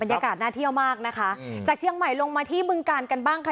ยากาศน่าเที่ยวมากนะคะจากเชียงใหม่ลงมาที่บึงกาลกันบ้างค่ะ